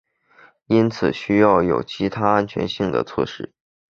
因此需要有其他安全性的措施。